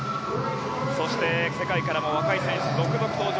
そして、世界からも若い選手が続々登場。